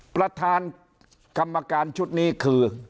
ประธานกรรมการชุดนี้คือ